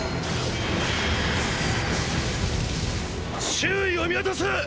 周囲を見渡せ！！